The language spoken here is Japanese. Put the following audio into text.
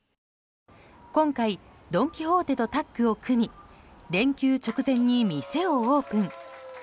今回、ドン・キホーテとタッグを組み連休直前に店をオープン。